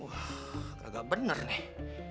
wah agak bener nih